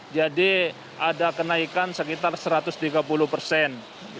jadi ada kenaikan sekitar satu ratus tiga puluh persen